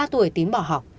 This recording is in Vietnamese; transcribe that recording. một mươi ba tuổi tín bỏ học